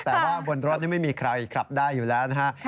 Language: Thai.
แต่ว่าบนรถนี่ไม่มีใครขับได้อยู่แล้วนะฮะ